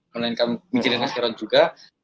melainkan mikirin akhirat juga